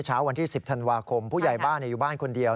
เช้าวันที่๑๐ธันวาคมผู้ใหญ่บ้านอยู่บ้านคนเดียว